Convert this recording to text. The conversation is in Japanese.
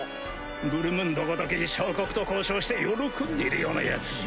ブルムンドごとき小国と交渉して喜んでいるようなヤツじゃ